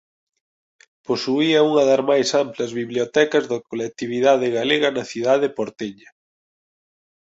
Posuía unha das máis amplas bibliotecas da colectividade galega na cidade porteña.